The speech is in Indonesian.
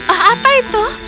oh apa itu